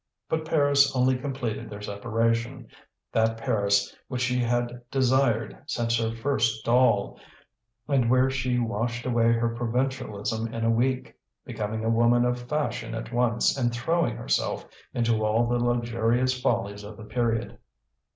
But Paris only completed their separation, that Paris which she had desired since her first doll, and where she washed away her provincialism in a week, becoming a woman of fashion at once, and throwing herself into all the luxurious follies of the period.